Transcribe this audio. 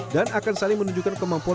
dan akan saling menunjukkan kemampuan